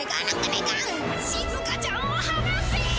しずかちゃんを放せ！